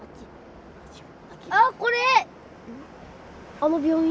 あの病院？